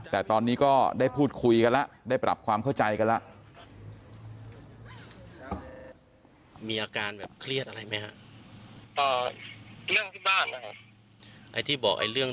แต่ตอนนี้ก็ได้พูดคุยกันแล้วได้ปรับความเข้าใจกันแล้ว